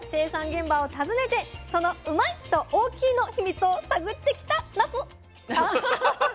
現場を訪ねてそのうまいッ！と大きいの秘密を探ってきたナス！